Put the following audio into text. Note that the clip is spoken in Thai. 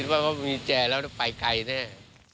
พี่มีแจแล้วไปใครเนี่ย